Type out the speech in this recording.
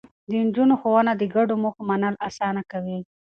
د نجونو ښوونه د ګډو موخو منل اسانه کوي.